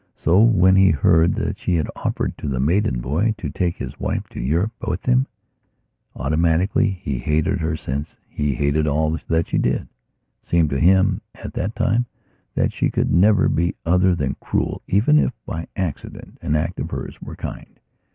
So when he heard that she had offered to the Maidan boy to take his wife to Europe with him, automatically he hated her since he hated all that she did. It seemed to him, at that time, that she could never be other than cruel even if, by accident, an act of hers were kind....